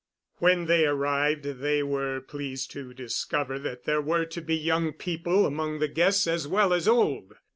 When they arrived they were pleased to discover that there were to be young people among the guests as well as old.